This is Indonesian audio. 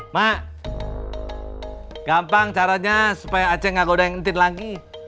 mak gampang caranya supaya aceh gak godain ntin lagi